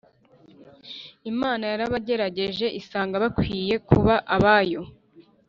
Imana yarabagerageje isanga bakwiye kuba abayo;